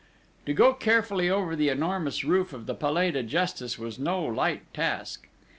To go carefully over the enormous roof of the Palais de Justice was no light task!